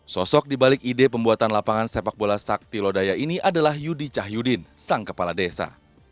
sosok dibalik ide pembuatan lapangan sepak bola sakti lodaya ini adalah yudi cahyudin sang kepala desa